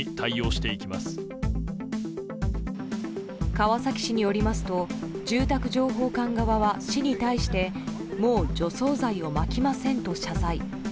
川崎市によりますと住宅情報館側は、市に対してもう除草剤をまきませんと謝罪。